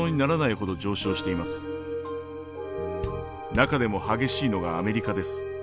中でも激しいのがアメリカです。